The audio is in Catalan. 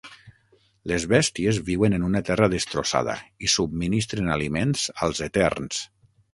Les Bèsties viuen en una terra destrossada i subministren aliments als Eterns.